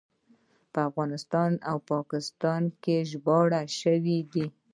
په افغانستان او پاکستان کې ژباړل شوی دی.